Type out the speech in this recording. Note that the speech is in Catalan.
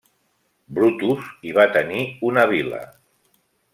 Brutus hi va tenir una vila.